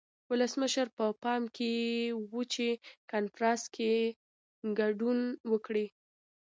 ولسمشر په پام کې و چې کنفرانس کې ګډون وکړي.